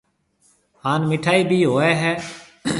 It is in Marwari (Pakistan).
ھان مِٺائِي ڀِي ھوئيَ ھيََََ